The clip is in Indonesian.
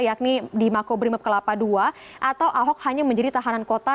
yakni di makobrimob kelapa ii atau ahok hanya menjadi tahanan kota